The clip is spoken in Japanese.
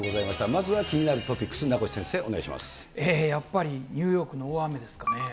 まずは気になるトピックス、やっぱりニューヨークの大雨ですかね。